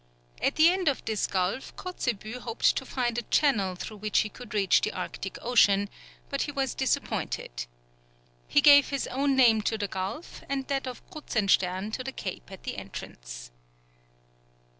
At the end of this gulf Kotzebue hoped to find a channel through which he could reach the Arctic Ocean, but he was disappointed. He gave his own name to the gulf, and that of Kruzenstern to the cape at the entrance.